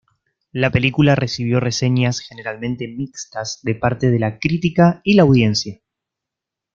La película recibió reseñas generalmente mixtas de parte de la crítica y la audiencia.